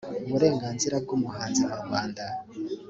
uburenganzira bw umuhanzi mu rwanda